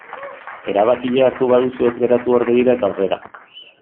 Erabakia hartu baduzu ez geratu hor begira eta aurrera.